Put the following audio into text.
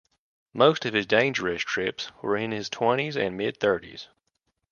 Most of his dangerous trips were in his twenties and mid thirties.